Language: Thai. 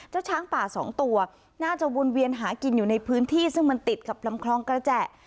ช้างป่าสองตัวน่าจะวนเวียนหากินอยู่ในพื้นที่ซึ่งมันติดกับลำคลองกระแจ